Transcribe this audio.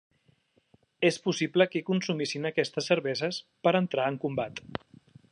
És possible que consumissin aquestes cerveses per a entrar en combat.